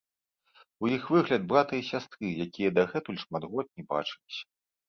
У іх выгляд брата і сястры, якія дагэтуль шмат год не бачыліся.